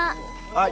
はい。